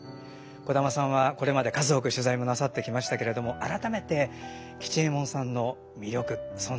小玉さんはこれまで数多く取材もなさってきましたけれども改めて吉右衛門さんの魅力存在どういうものでしょうか？